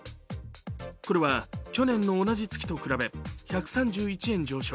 これは去年の同じ月と比べ１３１円上昇。